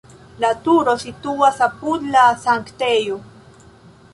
La turo situas apud la sanktejo.